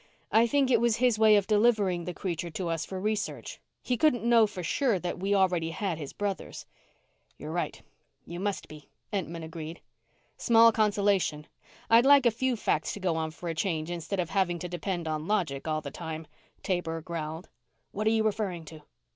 I think it was his way of delivering the creature to us for research. He couldn't know for sure that we already had his 'brothers.'" "You're right you must be," Entman agreed. "Small consolation. I'd like a few facts to go on for a change instead of having to depend on logic all the time," Taber growled. "What are you referring to?"